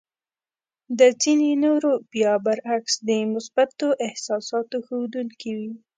د ځينو نورو بيا برعکس د مثبتو احساساتو ښودونکې وې.